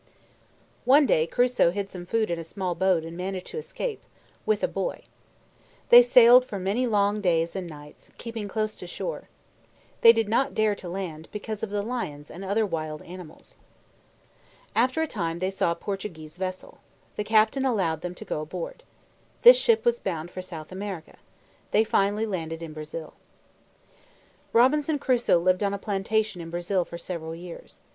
One day Crusoe hid some food in a small boat and managed to escape, with a boy. They sailed for many long days and nights, keeping close to shore. They did not dare to land, because of the lions and other wild animals. After a time they saw a Portuguese vessel. The captain allowed them to go aboard. This ship was bound for South America. They finally landed in Brazil. Robinson Crusoe lived on a plantation in Brazil for several years.